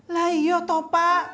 lah iya toh pak